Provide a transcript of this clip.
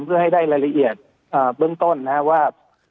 เพื่อให้ได้รายละเอียดเบื้องต้นนะครับว่า